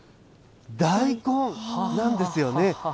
大根なんですよね。